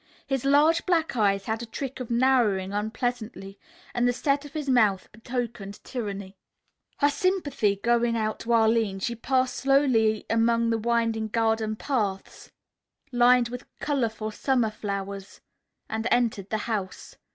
His large black eyes had a trick of narrowing unpleasantly, and the set of his mouth betokened tyranny. Her sympathy going out to Arline, she passed slowly among the winding garden paths, lined with colorful summer flowers, and entered the house.